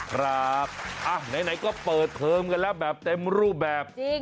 ครับไหนก็เปิดเทอมกันแล้วแบบเต็มรูปแบบจริง